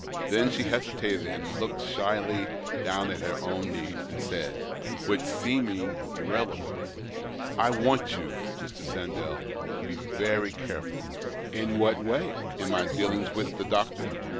Then she hesitated, and looked shyly down at her own knees, and said, with seeming irrelevance :—" I want you, Mr. Sandell, to be very careful." " In what way ? In my dealings with the doctor